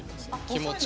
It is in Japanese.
気持ち。